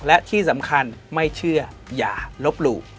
และที่สำคัญไม่เชื่ออย่าลบหลู่